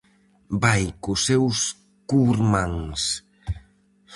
Vai cos seus curmáns.